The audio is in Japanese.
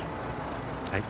はい。